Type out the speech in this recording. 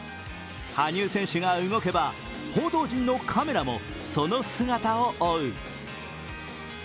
羽生選手が動けば報道陣のカメラもその姿を追う。